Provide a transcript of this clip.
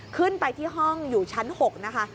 ขึ้นไปที่ห้องอยู่ชั้น๖นะคะ